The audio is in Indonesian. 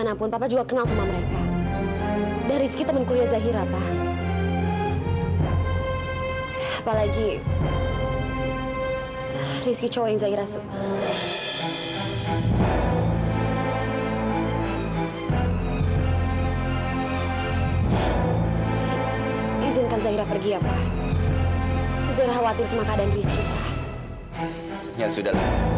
aku pergi dulu ya pak ma